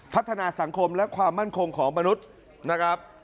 พัฒนาสังคมและความมั่นคงของมนุษย์นะครับ